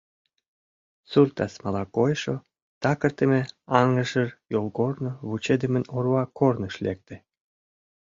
Сур тасмала койшо, такыртыме аҥышыр йолгорно вучыдымын орва корныш лекте.